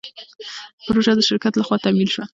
پروژه د شرکت له خوا تمویل شوه.